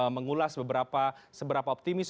mengulas seberapa optimis